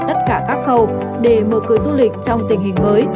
tất cả các khâu để mở cửa du lịch trong tình hình mới